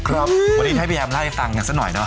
วันนี้ให้พี่แอมระยะฟังกันซะหน่อยนะ